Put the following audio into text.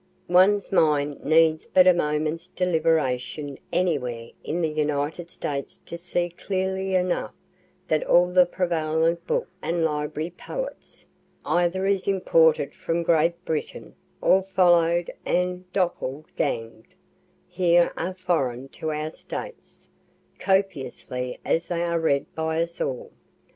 One's mind needs but a moment's deliberation anywhere in the United States to see clearly enough that all the prevalent book and library poets, either as imported from Great Britain, or follow'd and doppel gang'd here, are foreign to our States, copiously as they are read by us all.